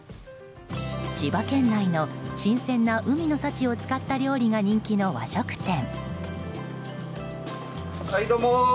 千葉県内の新鮮な海の幸を使った料理が人気の和食店。